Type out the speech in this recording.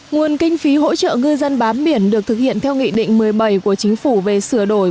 nguồn kinh phí hỗ trợ ngư dân bám biển được thực hiện theo nghị định một mươi bảy của chính phủ về sửa đổi